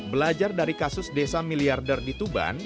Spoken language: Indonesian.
belajar dari kasus desa miliarder di tuban